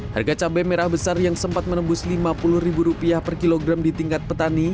harga cabai merah besar yang sempat menembus rp lima puluh per kilogram di tingkat petani